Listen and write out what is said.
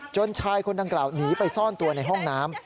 ชายคนดังกล่าวหนีไปซ่อนตัวในห้องน้ำ